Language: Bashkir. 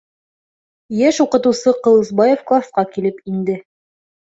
Йәш уҡытыусы Ҡылысбаев класҡа килеп инде.